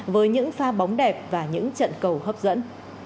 với những pha bóng đẹp và những trận cầu hấp dẫn